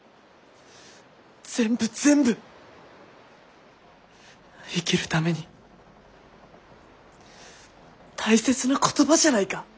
全部全部生きるために大切な言葉じゃないか！